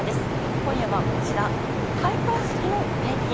今夜は、開会式のお天気。